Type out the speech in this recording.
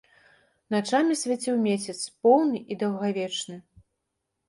Начамі свяціў месяц, поўны і даўгавечны.